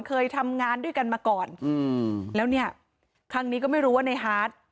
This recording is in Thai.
เคยทำงานด้วยกันมาก่อนอืมแล้วเนี่ยครั้งนี้ก็ไม่รู้ว่าในฮาร์ด